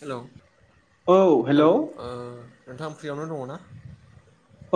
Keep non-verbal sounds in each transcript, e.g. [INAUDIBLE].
Hello औ हेल' hello ओ नोंथाङा फ्रियावनो दङ ना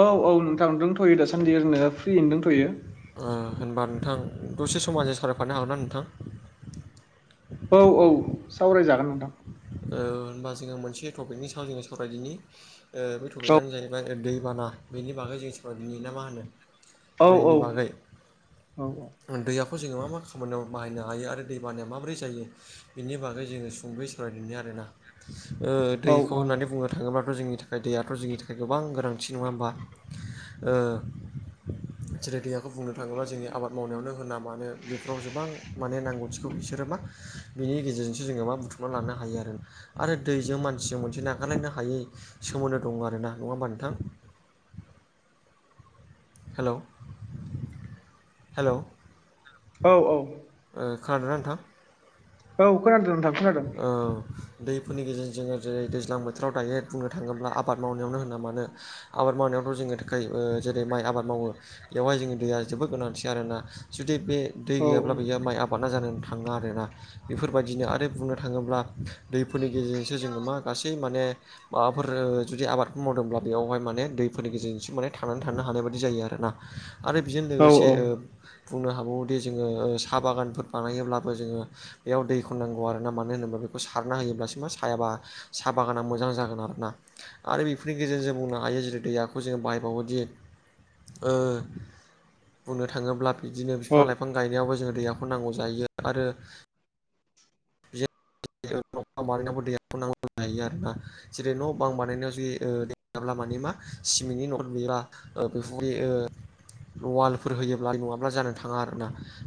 औ औ नोंथांदोंंथ'यो दासान्दि ओरैनो फ्रि दंथ'यो ओ होनबा नोंथां दसे सम आंजों सावरायफानो हागोन ना नोंथां औ औ सावरायजागोन नोंथां ओ होनबा जोङो मोनसे टपिकनि सायाव जोङो सावरायदिनि बे टपिकआनो जाहैबाय दैबाना बेनि बागै जों सोरबा दिन ना मा होनो औ दैनि औ बागै औ दैयाखौ जोङो मा मा खामानियाव बाहायनो हायो आरो दैबानाया माबोरै जायो बिनि बागै जोङो सुंदै सावरायदोनि आरोना ओ औ दैखौ होननानै बुंनो थाङोब्ला थ' जोंनि थाखाय दैयाथ' जोंनि थाखाय गोबां गोनांथि नङा होमबा ओ जेनाखियाव बेखौ बुंनो थाङोब्ला जोंनि आबाद मावनायावनो होना मानो बेफोराव गोबां माने नांगौथिखौ बिसोरो मा बिनि गेजेरजोंसो जोङो मा बुथुमना लानो हायो आरो आरो दैजों मानसिजों मोनसे नागारायनो हायै सोमोन्दो दं आरो ना नङा होमबा नोंथां हेल' हेल' औ औ ओ खोनादोना नोंथां औ खोनादो नोंथां खोनादों औ दैफोरनि गेजेरजों जोङो जेरै दैज्लां बोथोराव दायो बुंनो थाङोब्ला आबाद मावनायावनो होनना मानो आबाद मावनायावथ' जोङो थाखाय ओ जेरै माइ आबाद मावो। बेवहाय जोंनि दैया जोबोद गोनांथि आरोना जुदि बे दै औ गैयाब्ला बियो माइ आबादा जानानै थाङा आरोना बेफोरबायदिनो आरो बुंनो थाङोब्ला दैफोरनि गेजेरजोंसो जोङो मा गासै माने माबाफोर जुदि आबादफोर मावदोंब्ला बेयावहाय माने दैफोरनि गेजेरजोंसो माने थांनानै थानो हानाय बायदि जायो आरोना आरो बेजों औ लोगोसे ओ बुंनो हाबावोदि जोङो साहा बागानफोर बानायोब्लाबो जोङो बेयाव दैखौ नांगौ आरो आरोना मानो होनोबा बेखौ सारना होयोब्लासो मा साया साहा बागाना मोजां जागोन आरोना। आरो बेफोरनि गेजेरजों जों बुंनो हायो जेरै दैयाखौ जों बाहायबावोदि ओ बुंनो थाङोब्ला बिदिनो औ बिफां लाइफां गायनायावबो जों दैहाखौ नांगौ जायो आरो बि [UNINTELLIGIBLE] बानायनांगौ दै [UNINTELLIGIBLE] जेरै न' बां बानायनायाव जि ओ गैयाब्ला माने मा सिमेन्टनि न'फोर लुयोबा ओ बेफोरबायदि ओ वालफोर होयोब्ला नङाब्ला जानो थाङा आरोना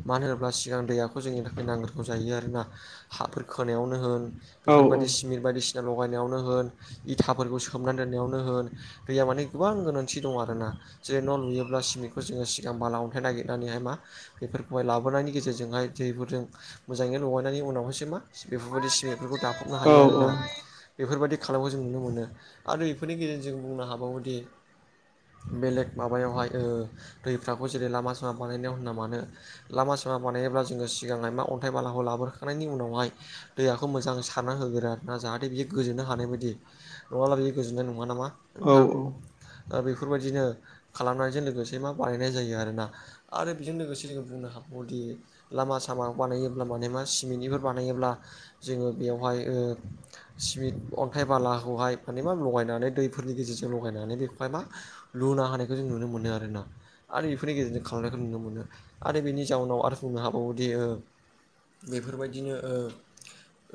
मानो होनोब्ला सिगां दैयाखौ जोंनि थाखाय नांग्रोगौ जायो आरोना हाफोर खोनायावनो होन औ बेफोरबायदि सिमिर बायदिसिना लगायनायावनो होन इथाफोरखौ सोमनानै दोननायावनो होन दैया माने गोबां गोनांथि दं आरोना जेरै न' लुयोब्ला सिमेन्टखौ जोङो सिगां बाला अन्थाइ नागिरनानैहाय मा बेफोरखौहाय लाबोनायनि गेजेरजोंहाय दैफोरजों मोजाङै लगायनायनै उनावहाय मा बेफोरबायदि सिमेन्टफोरखौ दाफबनो हायो औ आरोना बेफोरबायदि खालामनायखौ जों नुनो मोनो आरो बेफोरनि गेजेरजों जों बुंनो हाबावोदि बेलेग माबायावहाय ओ दैफ्रावखौ जेरै लामा सामा बानायनायाव होना मानो लामा सामा बानायोब्ला जोङो सिगां मा अन्थाइ बालाखौ लाबोखांनायनि उनाव बेहाय दैयाखौ मोजां सारना होगोरो आरोना जाहाथे बियो गोजोनो हानाय बायदि नवालागै गोजोननाय नङा नामा औ नोंथां? दा बेफोरबायदिनो खालामनायजों लोगोसे मा बानायनाय जायो आरोना। आरो बेजों लोगोसे जोङो बुंनो हाबावोदि लामा सामा बानायोब्ला मानाये मा सिमेन्टनिबो बानायोब्ला जोङो बेयावहाय ओ सिमेन्ट अन्थाइ बालाखौहाय माने मा लगायनानै दैफोरनि गेजेरजों लगायनानै बेखौहाय मा लुना हानायखौ जों नुनो मोनो आरोना आरो इफोरनि गेजेरजों खालामनायखौ नुनो मोनो आरो बेनि जाउनाव आरो बुंनो हाबावोदि ओ बेफोरबायदिनो ओ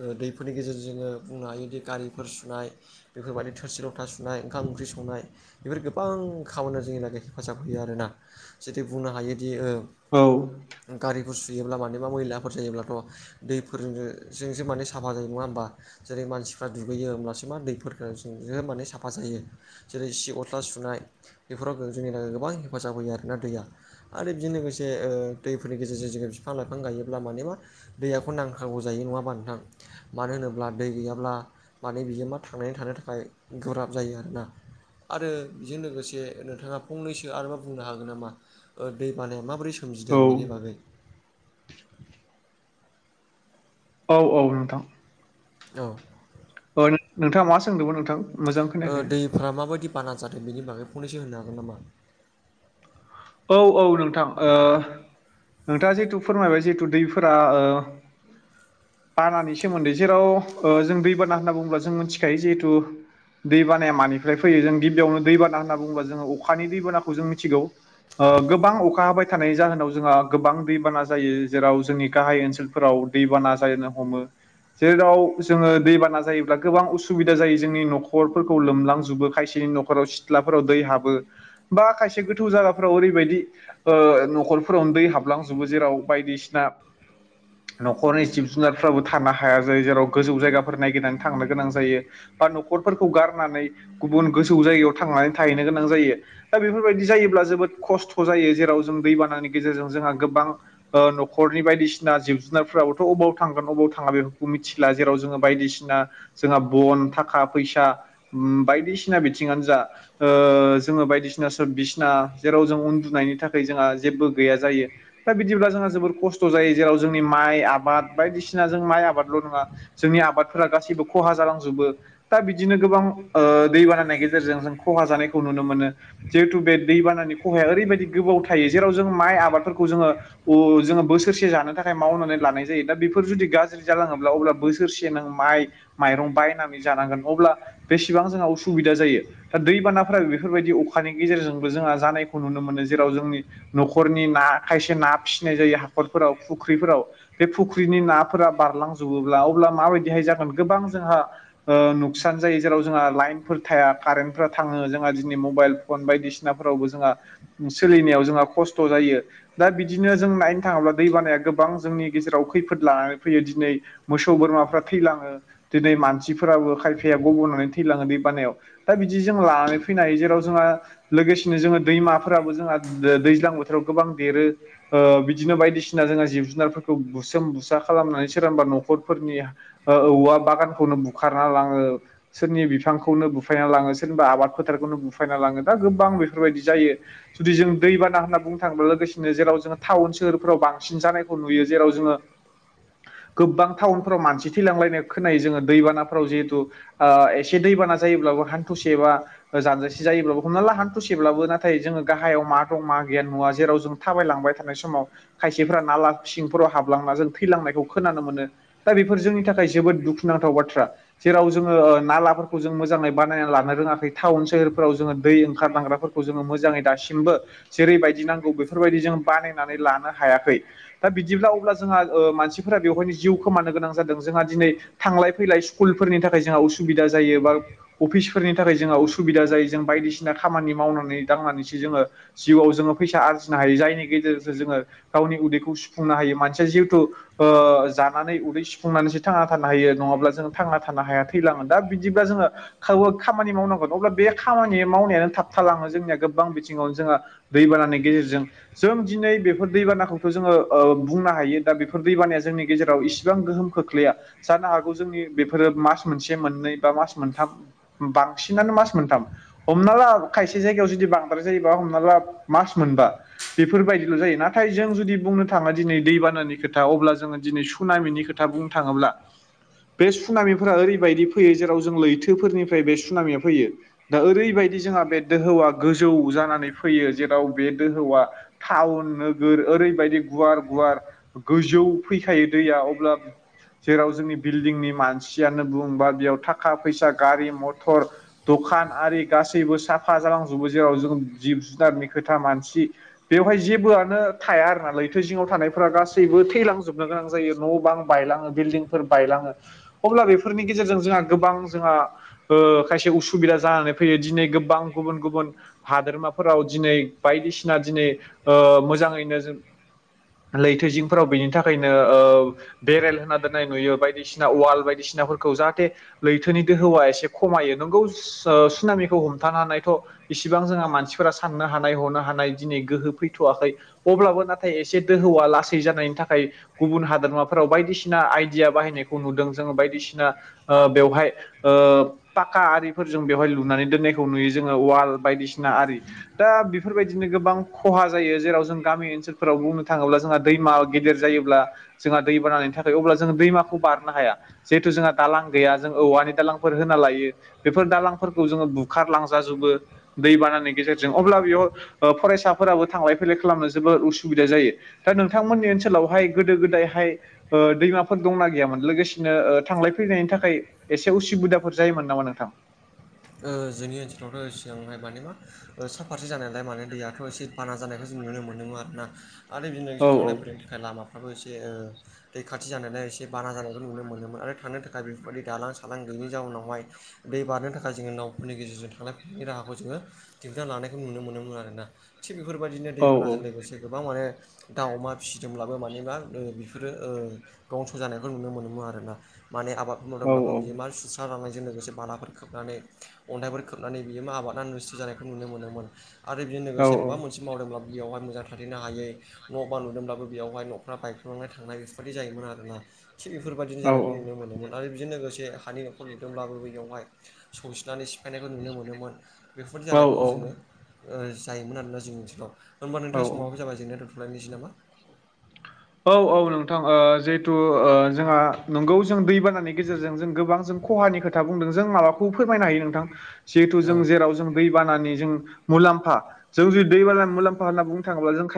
ओ दैफोरनि गेजेरजों जोङो बुंनो हायोदि गारिफोर सुनाय बेफोरबायदि थोरसि लथा सुनाय ओंखाम ओंख्रि संनाय। बेफोर गोबां खामानियाव जोंनि थाखाय हेफाजाब होयो आरोना जुदि बुंनो हायोदि ओ औ औ गारिफोर सुयोब्ला माने बा मैलाफोर जायोब्लाथ' दैफोरजोंसो जोंसो माने साफा जायो नङा ओमबा? जेरै मानसिफ्रा दुगैयो ओमब्लासो मा दैफोरखो जो बिदिनो माने साफा जायो। जेरै सि गस्ला सुनाय बेफोराव जोंनि थाखाय गोबां हेफाजाब होयो आरोना दैया। आरो बिजों लोगोसे ओ दैफोरनि गेजेरजों जोङो बिफां लाइफां गायोब्ला माने मा दैयाखौ नांखागौ जायो नङाबा ओमबा नोंथां मानो होनोब्ला दै गैयाब्ला माने बिजोंबा थांनानै थानो थाखाय गोब्राब जायो आरोना। आरो बेजों लोगोसे नोंथाङा फंनैसो आरो मा बुंनो हागोन नामा? ओ दै बानाया माबोरै सोमजिदों बेनि बागै औ औ नोंथां। औ। अ नो-नोंथाङा मा सोंदोंमोन नोंथां? मोजां ओ खोनायाखै दैफ्रा माबायदि बाना जादों बेनि बागै फनैसो होनो हागोन नामा? औ औ नोंथां ओ नोंथाङा जितु फोरमायबाय जिहेतु दैफोरा ओ बानानि सोमोन्दै जेराव ओ जों दैबाना होनना बुङोब्ला जों मिथिखायो जिहेथु दैबानाया मानिफ्राय फैयो जों गिबियावनो दैबाना होनना बुङोबा जोङो अखानि दैबानाखौ जों मिथिगौ। ओ गोबां अखा हाबाय थानाय जाहोनाव जोंहा गोबां दैबाना जायो जेराव जोंनि गाहाय ओनसोलफोराव दैबाना जानो हमो। जेराव जोङो दैबाना जायोब्ला गोबां उसुबिदा जायो जोंनि न'खरफोरखौ लोमलांजोबो खायसेनि न'ख र सिथ्लाफोराव दै हाबो बा खायसे गोथौ जागा फोराव ओरैबायदि ओ न'खरफोरावनो दै हाबलांजोबो जेराव बायदिसिना न'खरनि जिब- जुनारफ्राबो थानो हाया जायो जेराव गोजौ जायगाफोर नायगिरनानै थांनो गोनां जायो। बा न'खरफोरखौ गारनानै गुबुन गोजौ जायगायाव थांनानै थाहैनो गोनां जायो। दा बेफोर बायदि जायोब्ला जोबोद खस्थ' जायो जेराव जों दैबाननि गेजेरजों जोंहा गोबां ओ न'खरनि बायदिसिना जिब-जुनारफोराबोथ' अबाव थांगोन अबाव थाङा बेफोरखौ मिथि ला जेराव जोङो बायदिसिना जोंहा बन, थाखा- फैसा उम बायदिसिना बिथिङानो जा ओ जोङो बायदिसिना सो बिसना जेराव जों उन्दुनायनि थाखाय जोंहा जेबो गैया जायो। दा बिदिब्ला जोंहा जोबोर खस्थ' जायो जेराव जोंनि माइ आबाद बायदिसिना जों माइ आबादल' नोङा जोंनि आबादफोरा गासैबो खहा जालांजोबो। दा बिदिनो गोबां ओ दै बाननाय गेजेरजों जों खहा जानायखौ नुनो मोनो। जिहेतु बे दैबानानि खहाया ओरैबायदि गोबाव थायो जेराव जों माइ आबादफोरखौ जोङो अ जोङो बोसोरसे जानो थाखाय मावनानै लानाय जायो दा बेफोर जुदि गाज्रि जालाङोब्ला अब्ला बोसोर सोरसे नों माइ माइरं बायनानै जानांगोन अब्ला बेसेबां जोंहा उसुबिदा जायो दा दैबानाफोराबो बेफोर बायदि अखानि गेजेरजोंबो जोंहा जानायखौ खौ नुनो मोनो जेराव जोंनि न'खरनि ना खायसे ना फिसिनाय जायो हाखरफोराव फुख्रिफोराव बे फुख्रिनि नाफोरा बारलांजोबोब्ला अब्ला माबायदिहाय जागोन गोबां जोंहा ओ नुकसान जायो जेराव जोंहा लाइनफोर थाया कारेन्टफ्रा थाङो जोंहा दिनै मबाइल फन बायदिसिनाफोरावबो जोंहा सोलिनायाव जोंहा खस्थ' जायो। दा बिदिनो जों नायनो थाङोब्ला दै बानाया गोबां जोंनि गेजेराव खैफोद लानानै फैयो दिनै मोसौ बोरमाफ्रा थैलाङो दिनै मानसिफोराबो खायफाया गब'नानै थैलाङो दै बानायाव दा बिदि जों लानानै फैनो हायो जेराव जोंहा लोगोसेनो जोङो दैमाफोराबो जोंहा दो-दैज्लां बोथोराव गोबां देरो। ओ बिदिनो बायदिसिना जोंहा जिब-जुनारफोरखौ बुसोम-बुसा खालामनानै सोराबा न'खरफोरनि ओ औवा बागानखौनो बुखारना लाङो। सोरनि बिफांखौनो बुफायना लाङो सोरनिबा आबाद फोथारखौनो बुफायना लाङो दा गोबां बेफोर बायदि जायो। जुदि जों दैबाना होनना बुंनो थाङोब्ला लोगोसेनो जेराव जोङो टाउन सोहोरफोराव बांसिन जानायखौ नुयो जेराव जोङो [INAUDIBLE] गोबां टाउनफोराव मानसि थैलांलायनाय खोनायो जोङो दैबानाफोराव जिहेतु ओ एसे दैबाना जायोब्लाबो हान्थुसेबा जानजिसे जायोब्लाबो हमना ला हान्थुसेब्लाबो ना नाथाय जोङो गाहायाव मा दं मा गियान नुवा जेराव जों थाबायलांबाय थानाय समाव खायसेफोरा नाला सिंफोराव हाबलांना जों थैलांनायखौ खोनानो मोनो। दा बेफोर जोंनि थाखाय जोबोद दुखुनांथाव बाथ्रा। जेराव जोङो ओ नालाफोरखौ जों मोजाङै बानायनानै लानो रोङाखै टाउन सहोरफोराव जोङो दै ओंखार लांग्रा फोरखौ जोङो मोजाङै दासिमबो जेरैबायदि नांगौ बेफोर बायदि जों बानायनानै लानो हायाखै। दा बिदिब्ला अब्ला जोंहा ओ मानसिफोरा बेवहायनो जिउ खोमानो गोनां जादों जोंहा दिनै थांलाय फैलाय स्कुलफोरनि थाखाय जोंहा उसुबिदा जायो बा अफिसफोरनि थाखाय जोंहा उसुबिदा जायो जों बायदिसिना खामानि मावनानै दांनानैसो जोङो जिउआव जोङो फैसा आरजिनो हायो जायनि गेजेरजों जोङो गावनि उदैखौ सुफुंनो हायो मानसिया जिहेथु ओ जानानै उदै सुफुंनानैसो थांना थानो हायो नङाब्ला जों थांना थानो हाया थैलाङोन दा बिदिब्ला जोङो खामानि मावनांगौ अब्ला बे खामानि मावनायानो थाबथालाङो जोंनिया गोबां बिथिङावनो जोंहा दैबानानि गेजेरजों जों दिनै बेफोर दैबानाखौथ' जोङो बुंनो हायो दा बेफोर दैबानाया जोंनि गेजेराव इसे बेसेबां गोहोम खोख्लैया जानो हागौ जोंनि बेफोरो मास मोनसे मोननै बा मास मोनथाम बांसिनानो मास मोनथाम हमना ला खायसे जायगायाव जुदि बांद्राय जायोबा हमना ला मास मोनबा बेफोरबायदिल' जायो नाथाय जों जुदि बुंनो थाङा दिनै दैबानानि खोथा अब्ला जोङो दिनै सुनामिनि खोथा खोथा बुंनो थाङोब्ला बे सुनामिफोरा ओरैबायदि फैयो जेराव जों लैथोफोरनिफ्राय बे सुनामिया फैयो दा ओरैबायदि जोंहा बे दोहौआ गोजौ जानानै फैयो जेराव बे दोहौआ टाउन नोगोर ओरैबायदि गुवार गुवार गोजौ फैखायो दैया अब्ला जेराव जोंनि बिल्डिंनि मानसियानो बुं बा बेयाव थाखा फैसा गारि मथर दखान आरि गासैबो साफा जालांजोबो जेराव जों जिब जुनारनि खोथा मानसि बेवहाय जेबोआनो थाया आरो नालै थैजङाव थानायफोरा गासैबो थैलांजोबनो गोनां जायो न' बां बायलाङो बिल्डंफोर बायलाङो अब्ला बेफोरनि गेजेरजों जोंहा गोबां जोंहा ओ खायसे उसुबिदा जानानै फैयो दिनै गोबां गुबुन गुबुन गुबुन हादोरमाफोराव दिनै बायदिसिना दिनै ओ मोजाङैनो जों लैथोजिंफोराव बेनि थाखायनो ओ बेरेल होना दोननाय नुयो बायदिसिना वाल बायदिसिनाफोरखौ जाहाथे लैथोनि दोहौया एसे खमायो नंगौ सुनामिखौ हमथानो हानायथ' इसिबां जोंहा मानसिफोरा साननो हानाय हनो हानाय दिनै गोहो फैथ'वाखै अब्लाबो नाथाय एसे दोहौआ लासै जानायनि थाखाय गुबुन हादोरमाफोराव बायदिसिना आइदिया बाहायनायखौ नुदों जोङो बायदिसिना ओ बेवहाय ओ फाखा आरिफोरजों बेवहाय लुनानै दोननायखौ नुयो जोङो वाल बिसना आरि दा बेफोरबायदिनो गोबां खहा जायो जेराव जों गामि ओनसोलफोराव बुंनो थाङोब्ला जोंहा दैमा गेदेर जायोब्ला जोंहा दै बाननि थाखाय अब्ला जों दैमाखौ बारनो हाया जिहेथु जोंहा दालां गैया जों औवानि दालांफोर होना लायो बेफोर दालांफोरखौ जोङो बुखारलांजाजोबो दै बानानि गेजेरजों अब्ला बेयाव ओ फरायसाफोराबो थांलाय फैलाय खालामनो जोबोर उसुबिदा जायो दा नोंथांमोननि ओनसोलावहाय गोदो गोदायहाय ओ दैमाफोर दंना गैयामोन लोगोसेनो थांलाय फैलायनायनि थाखाय एसे उसुबिदाफोर जायोमोन नामा नोंथां? ओ जोंनि ओनसोलावथ' सिगांहाय माने मा सा फारसे जानायालाय माने दैयाथ' एसे बाना जानायखौ जों नुनो मोनदोंमोन आर ना आरो बिदिनो औ ए थांलाय फैलायनि थाखाय लामाफ्राबो एसे ओ दै खाथि जानायाय एसे बारा जानायखौ नुनो मोनोमोन आरो थांनो थाखाय बेफोरबायदि दालां सालां गैयै जाउनावहाय दै बारनो थाखाय जोङो नावफोरनि गेजेरजों थांलाय फैलायनि राहाखौ जोङो दिनथिना लानायखौ नुनो मोनोमोन आरोना थिग बेफोरबायदिनो औ दैबानाजों लोगोसे गोबां माने दाउ अमा फिसिदोंब्लाबो माने बा बेफोरो दंस' जानायखौ नुनो मोनोमो आरोना माने आबादफोर औ मावदोंब्लाबो बियो मा सुस्रा लांनायजों लोगोसे बालाफोरखौ खोबनानै अनथाइफोर खोबनानै बियो आबादा नुस्थ' जानायखौ नुनो मोनोमोन आरो बेजों औ लोगोसे माबा औ मोनसे मावदोंब्ला बेयावहाय मोजां थाथैनो हायो न' बां लुदोंब्लाबो बेयावहाय न'फ्रा बायग्रबनानै थांनाय बेफोरबायदि जायोमोन आरोना थिग बेफोरबायदिनो औ जानायखौ नुनो मोनोमोन आरो बेजों लोगोसे हानि न'खर लुदोंब्लाबो बेयावहाय सौसिनानै सिफायनायखौ नुनो मोनोमोन बेफोरबायदि जानायखौ जोङो ओ जायोमोन आरोना जोंनि ओनसोलाव होनबा औ नोंथां समाबो जाबाय जेंना दोनथ'लायनायसै नामा औ औ नोंथां ओ जिहेथु जोंहा नंगौ जों दैबानानि गेजेरजों जों गोबां जों खहानि खोथा बुंदों जों माबाखौ फोरमायनो हायो नोंथां जिहेथ जों औ जेराव जों दै बानानि जों मुलाम्फा जों जु दैबानानि मुलाम्फा होननानै बुंनो थाङोब्ला जों